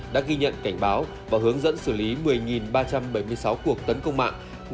đã ghi nhận cảnh báo và hướng dẫn xử lý một mươi ba trăm bảy mươi sáu cuộc tấn công mạng